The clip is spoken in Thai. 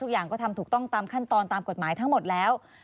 ทุกอย่างก็ทำถูกต้องตามขั้นตอนตามกฎหมายทั้งหมดแล้ว